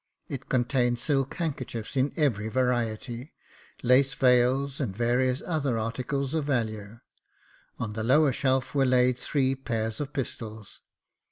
It contained silk handkerchiefs in every variety, lace veils, and various other articles of value ; on the lower shelf were laid three pairs of pistols.